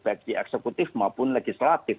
baik di eksekutif maupun legislatif